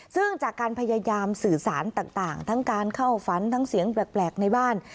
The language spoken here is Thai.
ซึ่งจากการพยายามสื่อสารต่างทั้งการเข้าฝันทั้งเสียงแปลกในบ้าน